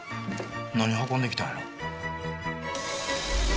何運んで来たんやろ？